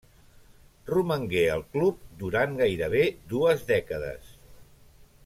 Romangué al club durant gairebé dues dècades.